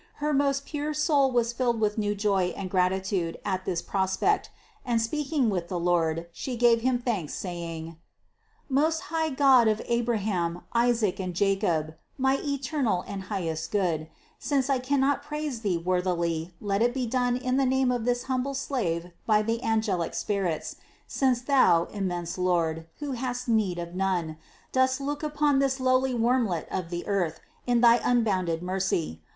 Her most pure soul was filled with new joy and gratitude at this pros pect and speaking with the Lord, She gave Him thanks saying: "Most high God of Abraham, Isaac and Jacob, my eternal and highest Good, since I cannot praise Thee worthily, let it be done in the name of this humble slave by the angelic spirits; since Thou, immense Lord, who hast need of none, dost look upon this lowly wormlet of the earth in thy unbounded mercy.